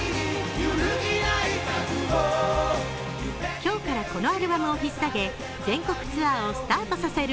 今日からこのアルバムをひっ提げ、全国ツアーをスタートさせる